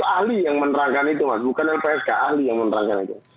ahli yang menerangkan itu mas bukan lpsk ahli yang menerangkan itu